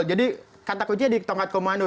jadi kata kuncinya di tongkat komando